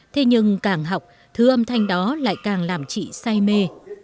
thế nhưng càng học thứ âm thanh đó lại càng làm chị say mê